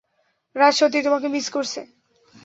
রাজ সত্যিই তোমাকে মিস করছে।